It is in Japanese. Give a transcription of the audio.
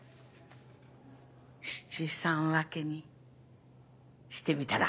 七三分けにしてみたら？